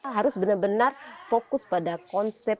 harus benar benar fokus pada konsep